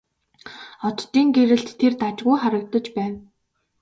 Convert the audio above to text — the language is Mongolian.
Оддын гэрэлд тэр дажгүй харагдаж байв.